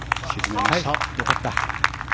よかった。